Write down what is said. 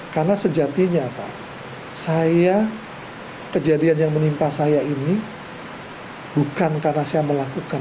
karena sejatinya pak kejadian yang menimpa saya ini bukan karena saya melakukan pidana